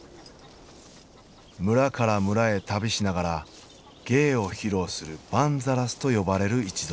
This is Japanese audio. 村から村へ旅しながら芸を披露するバンザラスと呼ばれる一族。